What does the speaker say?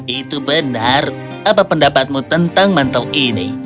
itu benar apa pendapatmu tentang mantau ini